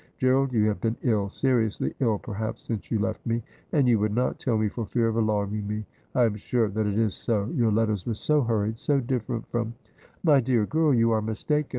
Gerald, you have been ill, seriously ill, perhaps, since j'ou left here, and you would not tell me for fear of alarming me. I am sure that it is so. Your letters were so hurried, so different from '' My dear girl, you are mistaken.